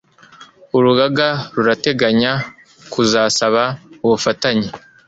urugaga rurateganya kuzasaba ubufatanye